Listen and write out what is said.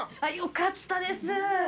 よかったです。